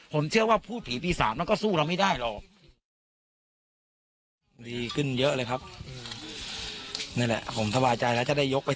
ผมเชื่อว่าพูดผีปีศาจมันก็สู้เราไม่ได้หรอก